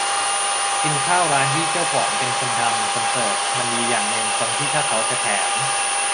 กินข้าวร้านที่เจ้าของเป็นคนทำคนเสิร์ฟมันดีอย่างนึงตรงที่ถ้าเขาจะแถม